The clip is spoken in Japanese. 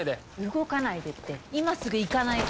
動かないでって今すぐ行かないと。